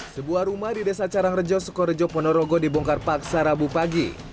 sebuah rumah di desa carangrejo sukorejo ponorogo dibongkar paksa rabu pagi